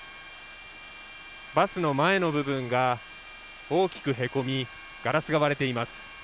バスの前の部分が大きくへこみガラスが割れています。